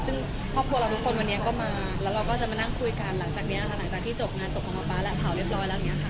ซึ่งครอบครัวเราทุกคนวันนี้ก็มาแล้วเราก็จะมานั่งคุยกันหลังจากนี้ค่ะหลังจากที่จบงานศพของน้องป๊าและเผาเรียบร้อยแล้วอย่างนี้ค่ะ